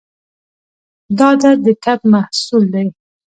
دا عادت د ټپ محصول دی.